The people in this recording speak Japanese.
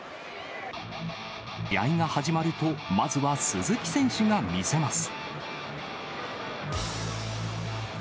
試合が始まると、まずは鈴木選手が見せます。